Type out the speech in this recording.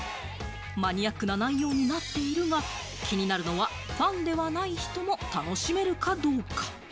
マニアックな内容になっているが、気になるのはファンではない人も楽しめるかどうか。